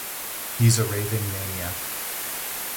He's a raving maniac.